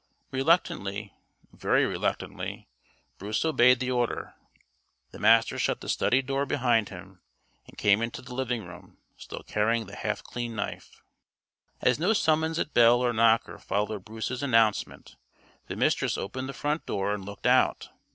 Reluctantly very reluctantly Bruce obeyed the order. The Master shut the study door behind him and came into the living room, still carrying the half cleaned knife. As no summons at bell or knocker followed Bruce's announcement, the Mistress opened the front door and looked out.